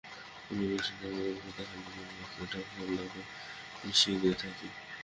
পরিবেশনের আগমুহূর্তে হালিমে বেরেস্তা, টক ও সালাদ মিশিয়ে দিয়ে থাকি।